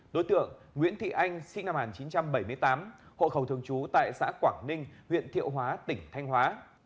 đối tượng nguyễn thị anh sinh năm một nghìn chín trăm bảy mươi tám hộ khẩu thường trú tại xã quảng ninh huyện thiệu hóa tỉnh thanh hóa